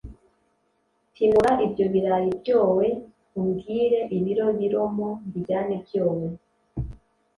Pimura ibyobirayi byoe umbwire ibiro biromo mbijyane byoe